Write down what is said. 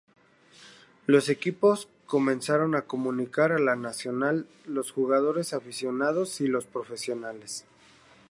Los equipos comenzaron a comunicar a la Nacional los jugadores aficionados y los profesionales.